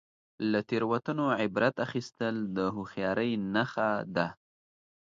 • له تیروتنو عبرت اخیستل د هوښیارۍ نښه ده.